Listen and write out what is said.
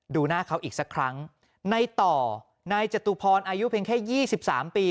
ดูหน้าเขาอีกสักครั้งในต่อนายจตุพรอายุเพียงแค่ยี่สิบสามปี